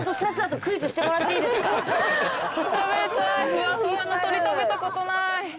ふわふわの鶏食べたことない。